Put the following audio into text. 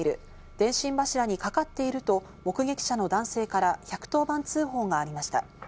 電信柱にかかっていると目撃者の男性から１１０番通報がありました。